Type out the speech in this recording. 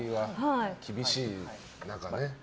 厳しい中ね。